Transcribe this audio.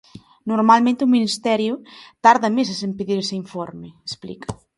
"Normalmente o Ministerio tarda meses en pedir ese informe", explica.